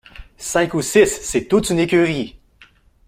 Cinq ou six! c’est tout une écurie !